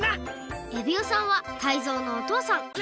エビオさんはタイゾウのおとうさん。